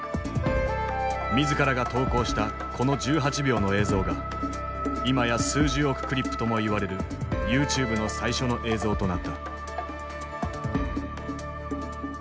自らが投稿したこの１８秒の映像が今や数十億クリップともいわれるＹｏｕＴｕｂｅの最初の映像となった。